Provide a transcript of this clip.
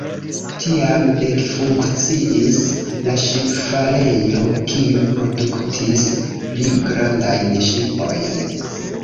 Tiam ekfunkciis la ŝipfarejo, kiu produktis pli grandajn ŝipojn.